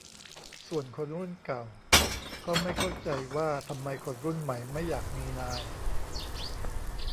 ส่วนคนรุ่นเก่า ก็ไม่เข้าใจว่าทำไมคนรุ่นใหม่ไม่อยากมีนาย